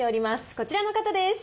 こちらの方です。